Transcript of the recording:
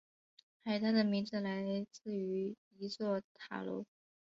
海滩的名字来自于一座塔楼。